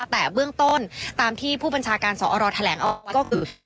แต่เบื้องต้นตามที่ผู้บัญชาการสอรแถลงออกก็คือ